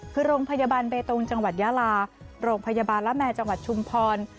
คือโรงพยาบาลเบตงจังหวัดยาลาโรงพยาบาลละแมจังหวัดชุมพร